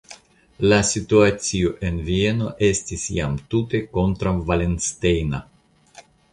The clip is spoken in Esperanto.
La situacio en Vieno estis jam tute kontraŭvalenstejna.